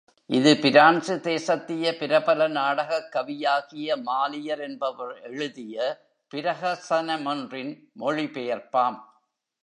இது பிரான்சு தேசத்திய பிரபல நாடகக் கவியாகிய மாலியர் என்பவர் எழுதிய பிரஹசனமொன்றின் மொழி பெயர்ப்பாம்.